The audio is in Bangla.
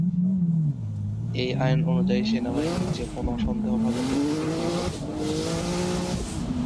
এই আইন অনুযায়ী, সেনাবাহিনী যে কোন সন্দেহভাজন ব্যক্তিকে গুলি করতে পারবে।